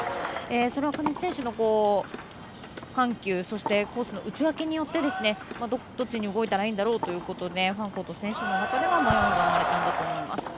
それを上地選手の緩急そしてコースの打ち分けによってどっちに動いたらいいんだろうということでファンコート選手の中では迷いが生まれたと思います。